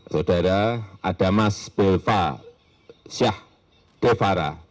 saudara adamas belva syah devara